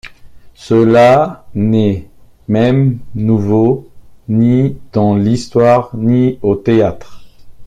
Cela n’est même nouveau ni dans l’histoire ni au théâtre.